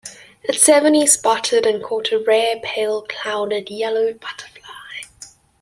At seven he spotted and caught a rare pale clouded yellow butterfly.